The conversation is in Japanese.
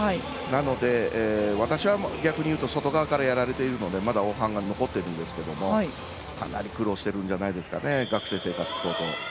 私は逆にいうと外側からやられているのでまだ黄斑が残っているんですけれどもかなり苦労しているんじゃないですかね。